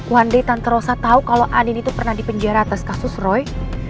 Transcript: waduh tanpa rasa tahu kalau andin itu pernah dipenjara atas kasus roy